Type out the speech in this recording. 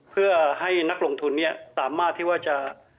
เพื่อให้นักลงทุนเนี่ยสามารถที่ว่าจะ